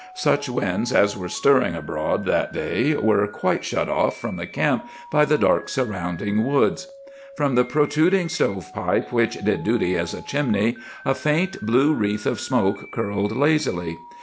Such winds as were stirring abroad that day were quite shut off from the camp by the dark surrounding woods. "From the protruding stovepipe, which did duty as a chimney, a faint blue wreath of smoke curled lazily.